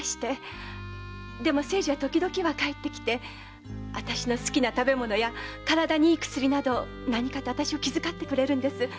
でも清次はときどきは帰ってきてあたしの好きな食べ物や身体にいい薬など何かとあたしを気遣ってくれるんです。